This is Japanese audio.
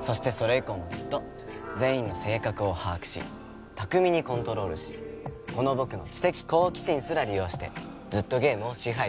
そしてそれ以降もずっと全員の性格を把握し巧みにコントロールしこの僕の知的好奇心すら利用してずっとゲームを支配していた。